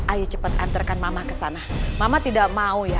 ayo cepat antarkan mama ke sana mama tidak mau ya